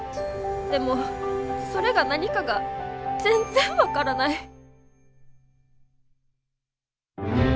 でもそれが何かが全然分からない。